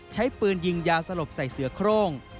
ใช้ปืนยิงยาสลบใส่เสือโครง